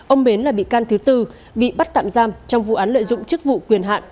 ông bến là bị can thứ tư bị bắt tạm giam trong vụ án lợi dụng chức vụ quyền hạn